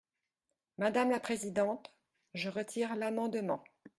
Madame la présidente, je retire l’amendement.